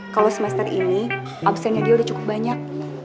kalau semester ini absennya dia udah cukup banyak